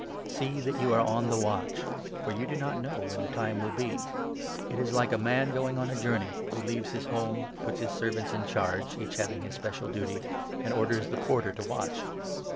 See that you are on the watch ; for you do not know when the time will be. It is like a man going on a journey, who leaves his home, puts his servants in charge — each having his special duty — and orders the porter to watch.